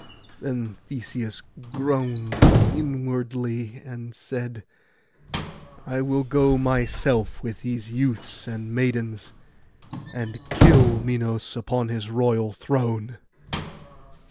Then Theseus groaned inwardly, and said, 'I will go myself with these youths and maidens, and kill Minos upon his royal throne.